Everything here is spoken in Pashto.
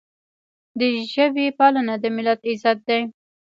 د ژبې پالنه د ملت عزت دی.